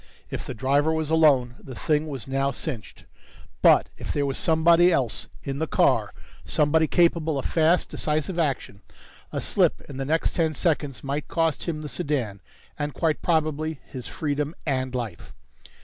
If the driver was alone, the thing was now cinched! But if there was somebody else in the car, somebody capable of fast, decisive action, a slip in the next ten seconds might cost him the sedan, and quite probably his freedom and life.